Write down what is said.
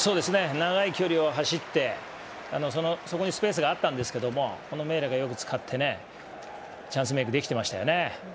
長い距離を走ってそこにスペースがあったんですけどもこのメーレがよく使ってねチャンスメイクできてましたよね。